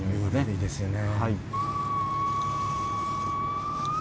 いいですよね。